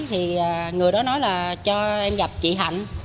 thì người đó nói là cho em gặp chị hạnh